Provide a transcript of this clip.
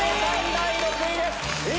第６位です！